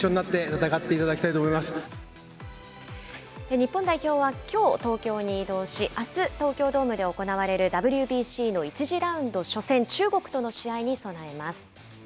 日本代表はきょう、東京に移動し、あす、東京ドームで行われるＷＢＣの１次ラウンド初戦、中国との試合に備えます。